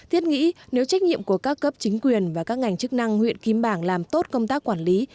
thiết nghĩ nếu trách nhiệm của các cấp chính quyền và các ngành chức năng huyện kim bảng làm tốt công tác quản lý